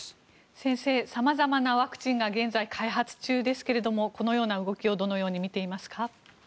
先生、様々なワクチンが現在開発中ですがこのような動きをどのように見ていますか？